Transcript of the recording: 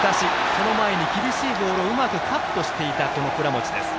その前に厳しいボールをうまくカットしていた倉持です。